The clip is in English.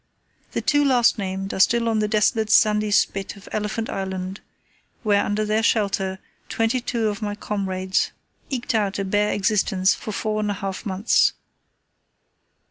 The two last named are still on the desolate sandy spit of Elephant Island, where under their shelter twenty two of my comrades eked out a bare existence for four and a half months.